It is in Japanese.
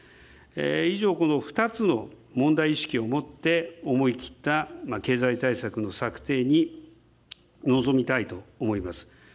以上、この２つの問題意識を持って、思い切った経済対策の策定に臨みたいと思います。